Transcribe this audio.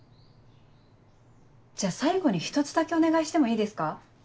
じゃ最後に一つだけお願いしてもいいですか？